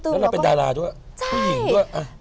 แล้วเราเป็นดาราด้วยผู้หญิงด้วย